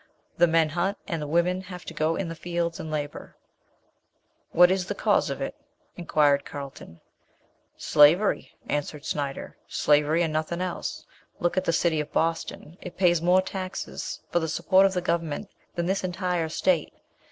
The men hunt and the women have to go in the fields and labour." "What is the cause of it?" inquired Carlton. "Slavery," answered Snyder, slavery, and nothing else. Look at the city of Boston; it pays more taxes for the support of the government than this entire state.